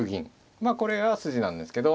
まあこれが筋なんですけど。